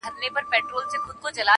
بې تقصیره ماتوې پاکي هینداري له غباره،